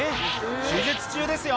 手術中ですよ。